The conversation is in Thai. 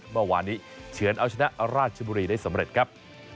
เมื่อวานนี้เฉือนเอาชนะราชบุรีได้สำเร็จครับ